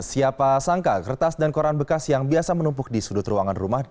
siapa sangka kertas dan koran bekas yang biasa menumpuk di sudut ruangan rumah